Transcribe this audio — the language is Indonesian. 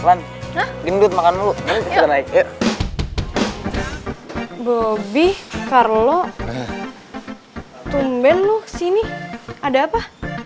lan lan inget makan dulu kita naik bobby carlo tumben lu sini ada apa